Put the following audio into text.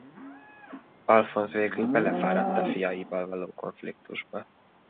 Alfonz végül belefáradt a fiaival való konfliktusba.